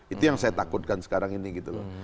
itu yang saya takutkan sekarang ini gitu loh